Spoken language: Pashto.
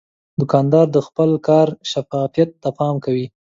دوکاندار د خپل کار شفافیت ته پام کوي.